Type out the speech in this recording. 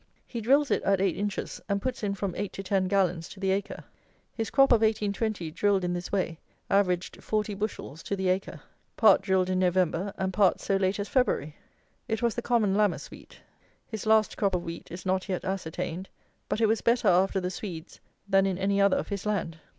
He drills it at eight inches, and puts in from eight to ten gallons to the acre. His crop of 1820, drilled in this way, averaged 40 bushels to the acre; part drilled in November, and part so late as February. It was the common Lammas wheat. His last crop of wheat is not yet ascertained; but it was better after the Swedes than in any other of his land.